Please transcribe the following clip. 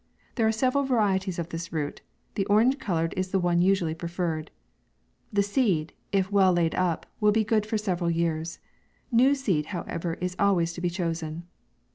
There are several varieties of this root ; the orange coloured is the one usually preferred. The seed, if well laid up, will be good for several years : new seed, however, is always to be chosen.